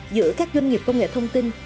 giữa các doanh nghiệp công nghệ thông tin